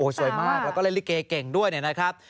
สวยมากแล้วก็เล่นลิเกเก่งด้วยนะครับ